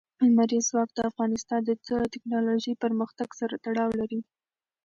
لمریز ځواک د افغانستان د تکنالوژۍ پرمختګ سره تړاو لري.